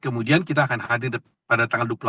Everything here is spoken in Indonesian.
kemudian kita akan hadir pada tanggal dua puluh delapan